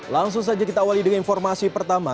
langsung saja kita awali dengan informasi pertama